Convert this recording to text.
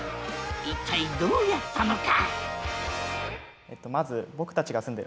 一体どうやったのか？